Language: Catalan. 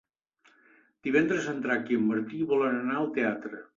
Divendres en Drac i en Martí volen anar al teatre.